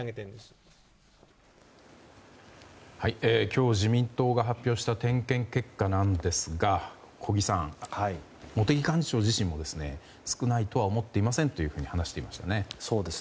今日、自民党が発表した点検結果なんですが小木さん、茂木幹事長自身も少ないとは思っていませんと話していましたね。